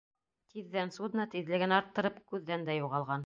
Тиҙҙән судно, тиҙлеген арттырып, күҙҙән дә юғалған.